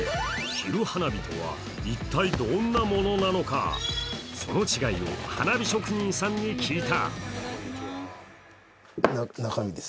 昼花火とは一体、どんなものなのかその違いを花火職人さんに聞いた。